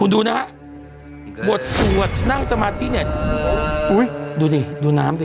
ดูนะฮะบทสวดนั่งสมาธิเนี่ยอุ้ยดูดิดูน้ำสิ